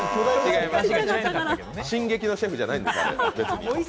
進撃のシェフじゃないんです。